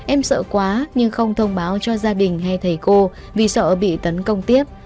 em sợ quá nhưng không thông báo cho gia đình hay thầy cô vì sợ bị tấn công tiếp